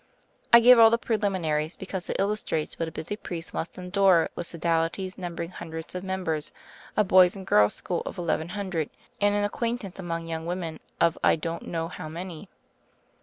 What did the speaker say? I give all the preliminaries, because it illustrates what a busy priest must endure with sodalities numbering hundreds of members, a boys' and girls' school of eleven hundred, and an acquain tance among young women of I don't know how many.